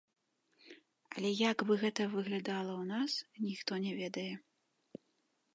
Але як бы гэта выглядала ў нас, ніхто не ведае.